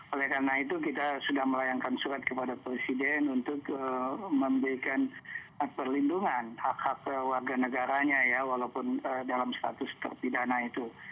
oleh karena itu kita sudah melayangkan surat kepada presiden untuk memberikan perlindungan hak hak warga negaranya ya walaupun dalam status terpidana itu